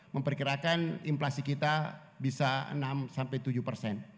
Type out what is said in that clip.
memperkirakan inflasi kita bisa enam sampai tujuh